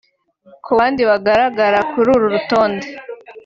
Ku bandi bagaragara kuri uru rutonde